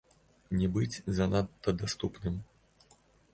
Не быць занадта даступным.